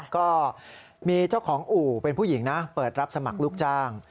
ก็มีเจ้าของอู่เป็นผู้หญิงนะเปิดรับสมัครลูกจ้าง